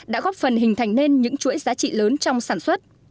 đã góp phần hình thành nên những chuỗi giá trị lớn trong sản xuất